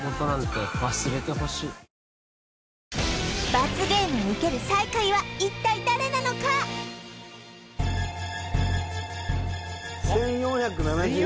罰ゲームを受ける最下位は一体誰なのか１４７１